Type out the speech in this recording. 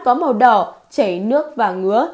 có màu đỏ chảy nước và ngứa